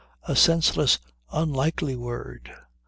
A senseless, unlikely word.